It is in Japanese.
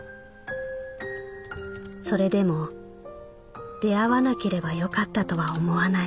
「それでも出会わなければよかったとは思わない。